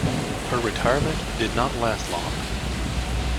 Her retirement did not last long.